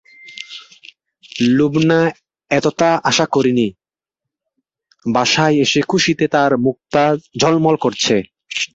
লুবনা এতটা আশা করেনি, বাসায় এসে খুশিতে তার মুখটা ঝলমল করছে।